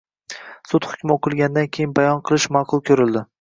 Sud hukmi oʻqilgandan keyin bayon qilish maʼqul koʻrildi.